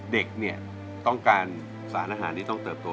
เด็กเนี่ยต้องการสารอาหารที่ต้องเติบโต